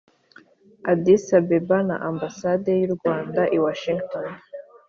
addis-abeba na ambasade y'u rwanda i washington,